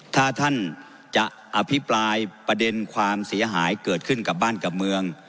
ถ้าท่านจะอภิปรายประเด็นความเสียหายเกิดขึ้นกับบ้านกับเมือง